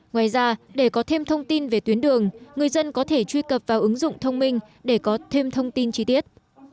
ngoài ra để có thêm thông tin về tuyến đường người dân có thể truy cập vào ứng dụng thông minh để có thêm thông tin chi tiết